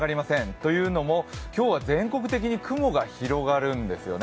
というのも、今日は全国的に雲が広がるんですよね。